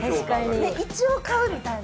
一応買うみたいな。